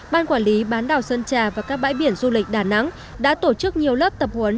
ban quản lý bán đảo sơn trà và các bãi biển du lịch đà nẵng đã tổ chức nhiều lớp tập huấn